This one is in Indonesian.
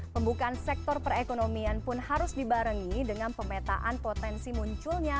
pembukaan sektor perekonomian pun harus dibarengi dengan pemetaan potensi munculnya